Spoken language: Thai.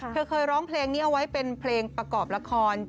เธอเคยร้องเพลงนี้เอาไว้เป็นเพลงประกอบละคร